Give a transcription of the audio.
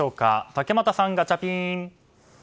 竹俣さん、ガチャピン！